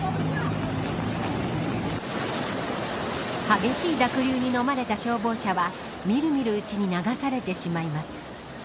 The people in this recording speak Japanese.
激しい濁流にのまれた消防車はみるみるうちに流されてしまいます。